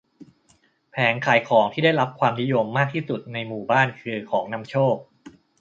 แผงขายของที่ได้รับความนิยมมากที่สุดในหมู่บ้านคือของนำโชค